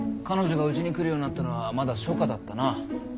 彼女がうちに来るようになったのはまだ初夏だったな。